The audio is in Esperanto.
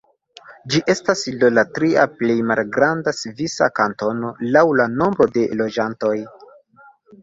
Ĝi estas do la tria plej malgranda svisa kantono laŭ la nombro de loĝantoj.